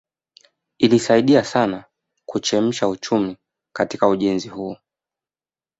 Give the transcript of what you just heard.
Ilisaidia sana kuchemsha uchumi katika ujenzi huo